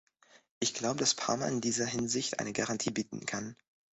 Ich glaube, dass Parma in dieser Hinsicht eine Garantie bieten kann.